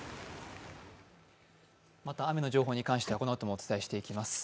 また雨の情報に関してはこのあともお伝えしていきます。